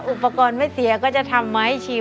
อุปกรณ์ไม่เสียก็จะทำให้ชิว